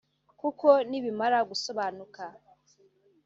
kuko nibimara gusobanuka